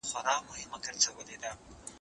ما مخکي د سبا لپاره د ليکلو تمرين کړی وو!